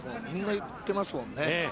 ◆みんな言ってますもんね。